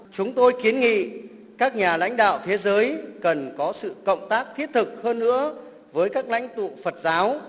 chúng tôi kiến nghị các nhà lãnh đạo thế giới cần có sự cộng tác thiết thực hơn nữa với các lãnh tụ phật giáo